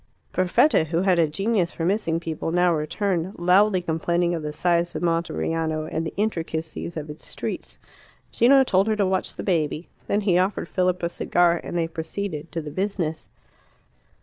Perfetta, who had a genius for missing people, now returned, loudly complaining of the size of Monteriano and the intricacies of its streets. Gino told her to watch the baby. Then he offered Philip a cigar, and they proceeded to the business.